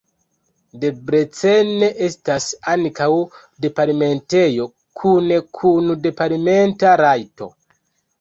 Debrecen estas ankaŭ departementejo kune kun departementa rajto.